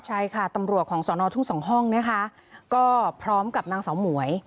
ใช่ค่ะตำรวจของสอนอทุ่งสองห้องนะคะก็พร้อมกับนางเสาหมวย